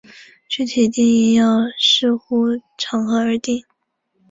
具体定义要视乎场合而定。